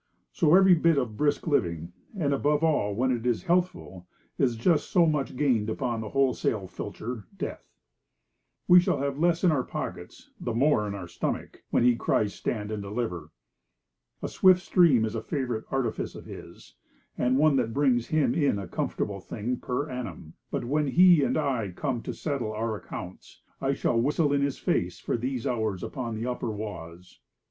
So every bit of brisk living, and above all when it is healthful, is just so much gained upon the wholesale filcher, death. We shall have the less in our pockets, the more in our stomach, when he cries stand and deliver. A swift stream is a favourite artifice of his, and one that brings him in a comfortable thing per annum; but when he and I come to settle our accounts, I shall whistle in his face for these hours upon the upper Oise.